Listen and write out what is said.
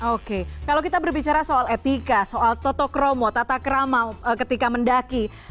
oke kalau kita berbicara soal etika soal toto kromo tata kerama ketika mendaki